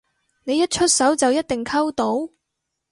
你一出手就一定溝到？